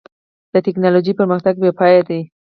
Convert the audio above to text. د ټکنالوجۍ پرمختګ بېپای دی.